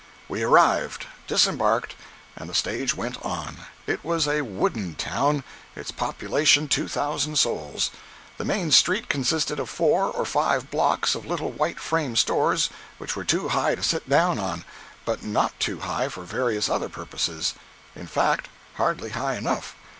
We arrived, disembarked, and the stage went on. It was a "wooden" town; its population two thousand souls. The main street consisted of four or five blocks of little white frame stores which were too high to sit down on, but not too high for various other purposes; in fact, hardly high enough.